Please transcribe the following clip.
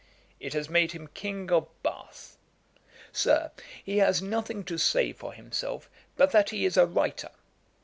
It has made him King of Bath. Sir, he has nothing to say for himself but that he is a writer.